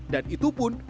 dan itu pun